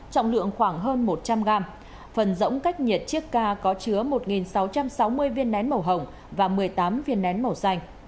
trọng lượng khoảng hơn một trăm linh gram phần rỗng cách nhiệt chiếc ca có chứa một sáu trăm sáu mươi viên nén màu hồng và một mươi tám viên nén màu xanh